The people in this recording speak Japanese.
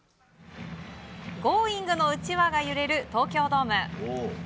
「Ｇｏｉｎｇ！」のうちわが揺れる東京ドーム。